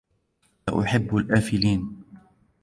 لا أحب الآفلين.